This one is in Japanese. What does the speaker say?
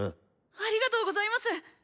ありがとうございます！